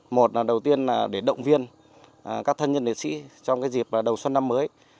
một là đầu tiên là để động viên các thân nhân liệt sĩ trong dịp đầu xuân năm mới